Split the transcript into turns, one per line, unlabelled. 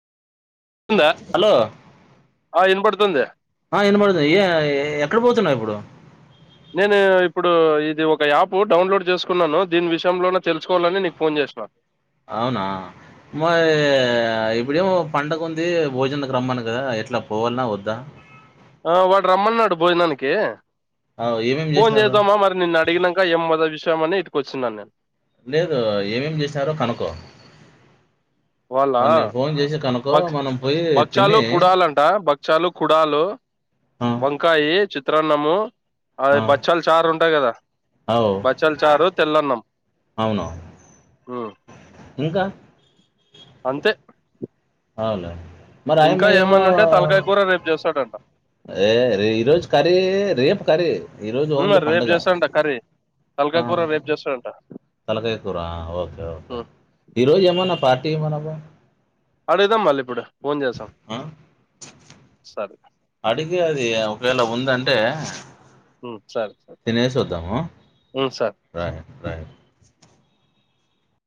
ఉందా
హలో
ఆ వినపడుతుంది
ఆ ఇనబడుతుంది ఏ ఎక్కడ పోతున్నారు ఇప్పుడు
నేను ఇప్పుడు ఇది ఒక యాప్ డౌన్లోడ్ చేసుకున్నాను దీని విషయంలోనే తెలుసుకోవాలని నీకు ఫోన్ చేసిన
అవునా మ ఇప్పుడేమో పండగ ఉంది భోజనంకు రమ్మన కదా ఎట్లా పోవాలన వద్దా
వాడు రమ్మన్నాడు భోజనానికి
ఏమేమి
ఫోన్
చేసినారు
చేద్దామా మరి నిన్ను అడిగినాంక ఏం మతాబు చేసి పోమని ఇటుకీ వచ్చినాను నేను
లేదు ఏమేమి చేసారో కనుకో
వాళ్ళా బకు
మనం పోయి
భక్షాలు
తిని
కుడాలంట భక్షాలు కుడాలు
ఆ
వంకాయి చిత్ర అన్నాము అది
ఆ
బచ్చలు చారు ఉంటాయి కదా
అవు
బచ్చలు చారు తెల్ల అన్నం
అవును
గో
ఇంకా
అంతే
అవునా
ఇంకా ఏమన్నా ఉంటే తలకాయ కూర రేపు చేస్తాడంట
ఏ రీ ఈరోజు కర్రీ రేపు కర్రీ ఈరోజు
ఉమ్,
ఓన్లీ
మరి రేపు
పండుగ
చేస్తాడంట కర్రీ తలకాయ కూర
అహు
రేపు చేస్తాడంట
తలకాయ కూర ఓకే ఓకే
ఉమ్,
ఈరోజు ఏమన్నా పార్టీ ఏం అనమో
అడుగుదాం మళ్ళీ ఇప్పుడు ఫోన్ చేసాం సరే
అడిగే అది ఆ ఒకవేళ ఉంది అంటే
ఉమ్ సరే సరే
తినేసి వద్దామా
ఉమ్ సార్
రాయి రాయి